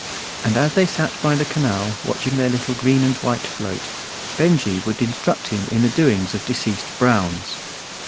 And as they sat by the canal watching their little green and white float, Benjy would instruct him in the doings of deceased Browns.